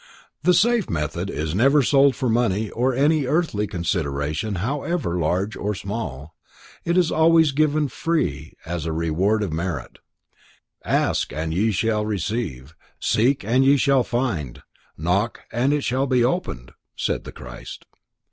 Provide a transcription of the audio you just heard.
The safe method is never sold for money or any earthly consideration however large or small; it is always freely given as a reward of merit. "Ask and ye shall receive, seek and ye shall find, knock and it shall be opened", said the Christ.